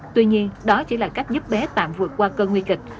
tuy nhiên đó chỉ là cách giúp bé tạng vượt qua cơn nguy kịch